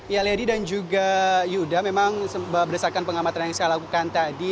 ya lady dan juga yuda memang berdasarkan pengamatan yang saya lakukan tadi